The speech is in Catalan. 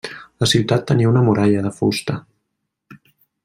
La ciutat tenia una muralla de fusta.